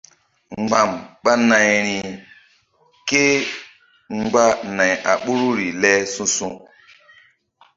Mgba̧m ɓa nayri kémgba nay a ɓoruri le su̧su̧.